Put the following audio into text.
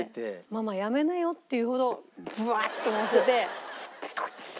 「ママやめなよ」っていうほどブワッとのせて。